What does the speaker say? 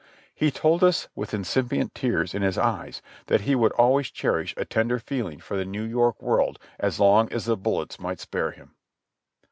He told us with incipient tears in his eyes that he would always cherish a tender feeling for the New York World so long as the bullets miglit spare him.